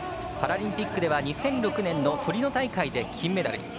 パラリンピックでは２００６年のトリノ大会で金メダル。